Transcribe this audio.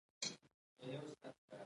پیاله وه پکې بوره نه وه خوږې !